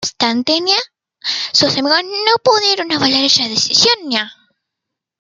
No obstante, sus amigos no pudieron avalar esa descripción.